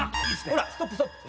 ほらストップストップ！